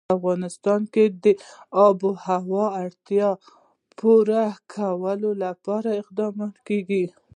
په افغانستان کې د آب وهوا د اړتیاوو پوره کولو لپاره اقدامات کېږي.